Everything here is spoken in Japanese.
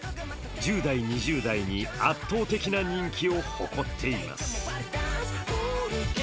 １０代、２０代に圧倒的な人気を誇っています。